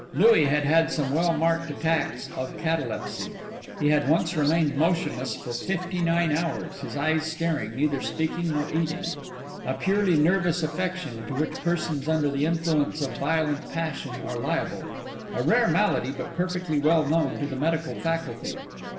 Louis had had some well marked attacks of catalepsy. He had once remained motionless for fifty nine hours, his eyes staring, neither speaking nor eating; a purely nervous affection, to which persons under the influence of violent passion are liable; a rare malady, but perfectly well known to the medical faculty.